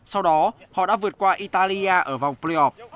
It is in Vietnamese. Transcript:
sau đó họ đã vượt qua italia ở vòng priop